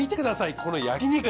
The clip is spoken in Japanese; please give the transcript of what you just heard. この焼き肉。